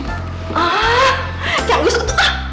ah canggih sekali tuh ah